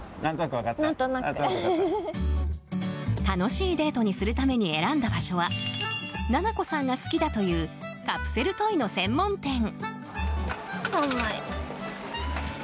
楽しいデートにするために選んだ場所はななこさんが好きだというカプセルトイの専門店。